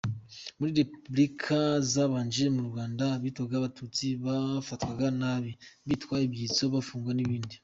Muri Repubulika zabanje mu Rwanda abitwaga Abatutsi bafatwaga nabi, bitwa ibyitso, bafungwa n’ibindi.